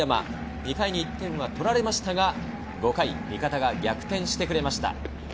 ２回に１点は取られましたが、５回、味方が逆転してくれました。